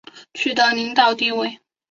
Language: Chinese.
取得领导地位